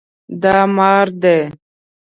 دا مار دی